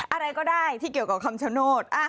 อะไรก็ได้ที่เกี่ยวกับคำชโนธ